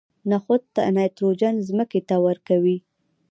نخود نایتروجن ځمکې ته ورکوي.